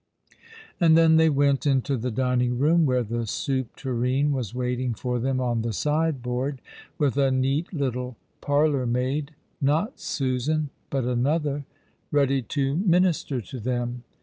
And then they went into the dining room, where the soup tureen was waiting for them on the sideboard, with a neat little parlour maid — not Susan, but another — ready to minister to them.